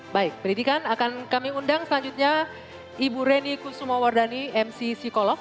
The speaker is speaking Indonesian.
baik pendidikan akan kami undang selanjutnya ibu reni kusuma wardani mc psikolog